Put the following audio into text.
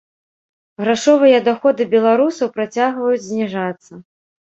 Грашовыя даходы беларусаў працягваюць зніжацца.